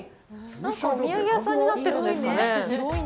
なんかお土産屋さんになってるんですかね。